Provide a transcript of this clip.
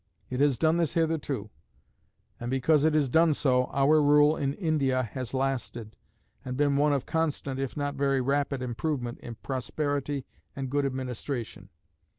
It has done this hitherto; and because it has done so, our rule in India has lasted, and been one of constant, if not very rapid improvement in prosperity and good administration.